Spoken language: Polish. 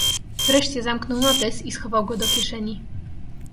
"Wreszcie zamknął notes i schował go do kieszeni."